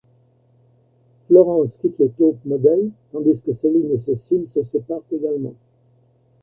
Florence quitte Les Taupes Models tandis que Céline et Cécile se séparent également.